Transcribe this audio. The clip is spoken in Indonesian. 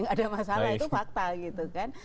gak ada masalah itu fakta gitu kan